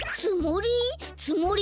つもり？